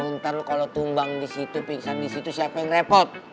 ntar lo kalo tumbang di situ pingsan di situ siapa yang repot